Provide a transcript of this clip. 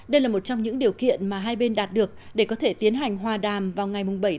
đây là một trong những điều kiện mà hai bên đạt được để có thể tiến hành hòa đàm vào ngày bảy tháng hai tới đây